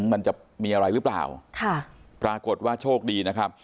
มันจะมีอะไรหรือเปล่าค่ะปรากฏว่าโชคดีนะครับ